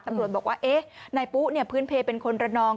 ตำรวจบอกว่านายปู้พื้นเพลย์เป็นคนระนอง